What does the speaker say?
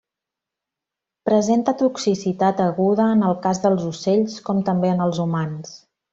Presenta toxicitat aguda en el cas dels ocells com també en els humans.